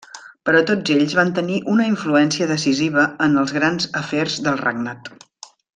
Però tots ells van tenir una influència decisiva en els grans afers del regnat.